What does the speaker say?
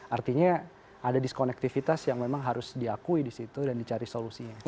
artinya ada diskonektivitas yang memang harus diakui di situ dan dicari solusinya